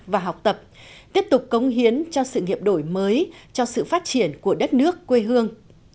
và học tập tiếp tục cống hiến cho sự nghiệp đổi mới cho sự phát triển của đất nước quê hương